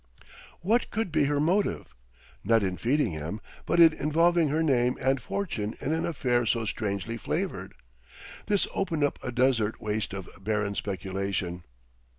What could be her motive, not in feeding him, but in involving her name and fortune in an affair so strangely flavored?... This opened up a desert waste of barren speculation.